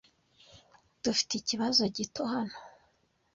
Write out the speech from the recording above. Dufite ikibazo gito hano.